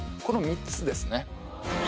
この３つですね